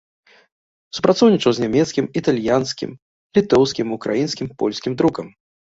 Супрацоўнічаў з нямецкім, італьянскім, літоўскім, украінскім, польскім друкам.